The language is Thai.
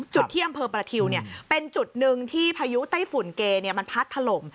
จุดที่อำเภอประทิวเป็นจุดหนึ่งที่พายุไต้ฝุ่นเกมันพัดถล่ม